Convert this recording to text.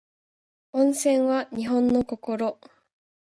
温泉は日本の心